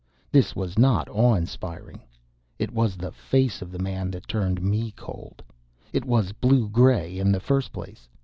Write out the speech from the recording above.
This was not awe inspiring. It was the face of the man that turned me cold. It was blue gray in the first place.